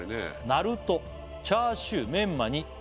「なるとチャーシューメンマに」